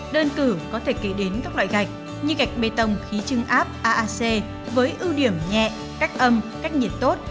đơn cử có thể kể đến các loại gạch như gạch bê tông khí trưng áp aac với ưu điểm nhẹ cách âm cách nhiệt tốt